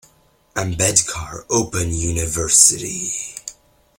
Ambedkar Open University.